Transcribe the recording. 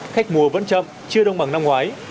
khách mua vẫn chậm chưa đông bằng năm ngoái